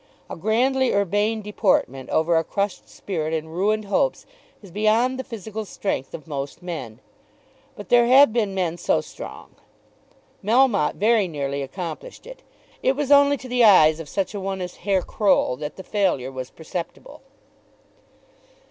A grandly urbane deportment over a crushed spirit and ruined hopes is beyond the physical strength of most men; but there have been men so strong. Melmotte very nearly accomplished it. It was only to the eyes of such a one as Herr Croll that the failure was perceptible.